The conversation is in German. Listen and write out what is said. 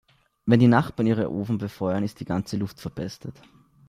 Wenn die Nachbarn ihren Ofen befeuern, ist die ganze Luft verpestet.